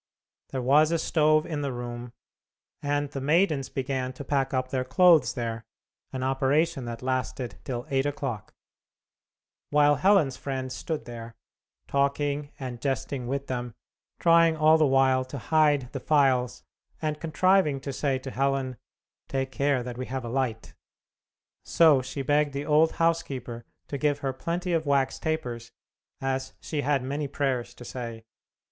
There was a stove in the room, and the maidens began to pack up their clothes there, an operation that lasted till eight o'clock; while Helen's friend stood there, talking and jesting with them, trying all the while to hide the files, and contriving to say to Helen: "Take care that we have a light." So she begged the old housekeeper to give her plenty of wax tapers, as she had many prayers to say.